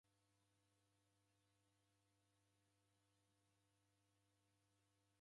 W'andu mrongo iw'i w'ebwaghwa ni bomu.